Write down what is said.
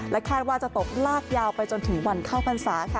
คาดว่าจะตกลากยาวไปจนถึงวันเข้าพรรษาค่ะ